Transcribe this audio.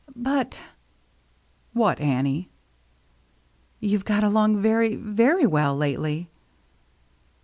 "But —" "What, Annie?" " You've got along very — very well, lately."